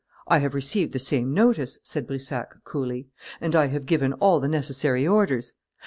"I have received the same notice," said Brissac, coolly; "and I have given all the necessary orders.